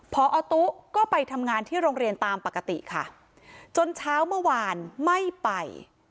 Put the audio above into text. พอตุ๊ก็ไปทำงานที่โรงเรียนตามปกติค่ะจนเช้าเมื่อวานไม่ไป